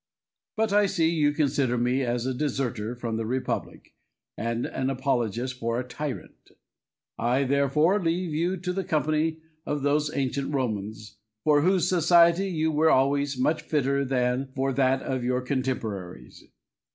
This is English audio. But I see you consider me as a deserter from the republic, and an apologist for a tyrant. I, therefore, leave you to the company of those ancient Romans, for whose society you were always much fitter than for that of your contemporaries.